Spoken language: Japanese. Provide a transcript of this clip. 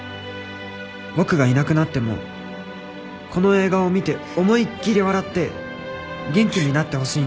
「僕がいなくなってもこの映画を観て思いっきり笑って元気になって欲しいんだ」